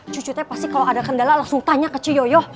cucu tuh pasti kalo ada kendala langsung tanya ke cuyoyo